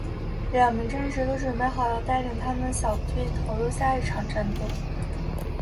两名战士都准备好要带领他们的小队投入下一场战斗。